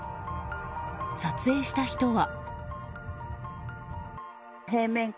撮影した人は。